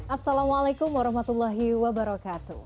assalamualaikum warahmatullahi wabarakatuh